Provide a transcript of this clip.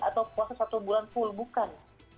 atau puasa satu bulan full bukan